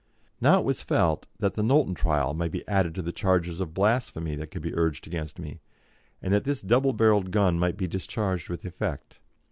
_ Now it was felt that the Knowlton trial might be added to the charges of blasphemy that could be urged against me, and that this double barrelled gun might be discharged with effect.